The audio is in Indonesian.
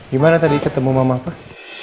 gimana tadi ketemu mama pak